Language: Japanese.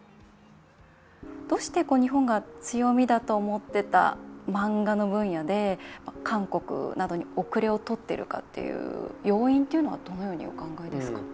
どうして日本が強みだと思ってた漫画の分野で韓国などに後れをとっているかという要因というのはどのようにお考えですか？